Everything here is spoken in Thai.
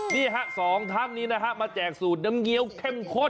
นี่ฮะสองท่านนี้นะฮะมาแจกสูตรน้ำเงี้ยวเข้มข้น